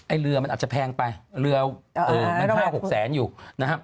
เรือมันอาจจะแพงไปเรือมัน๕๖แสนอยู่นะครับ